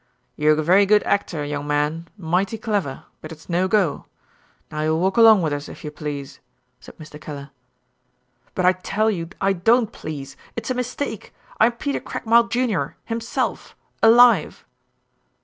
"You're a very good actor, young man, mighty clever, but it's no go. Now you'll walk along with us if you please," said Mr. Kellar. "But I tell you I don't please. It's a mistake. I am Peter Craigmile, Jr., himself, alive."